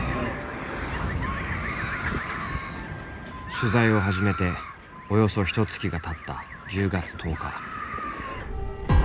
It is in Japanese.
取材を始めておよそひとつきがたった１０月１０日。